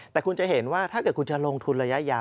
แต่คุณจะเห็นว่าถ้าเกิดคุณจะลงทุนระยะยาว